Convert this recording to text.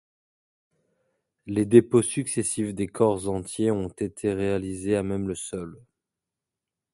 Les dépôts successifs des corps entiers ont été réalisés à même le sol.